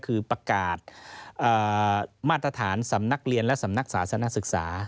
คือประกาศมาตรฐานสำนักเรียนและสำนักศาสนศึกษา